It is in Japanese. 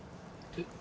えっ？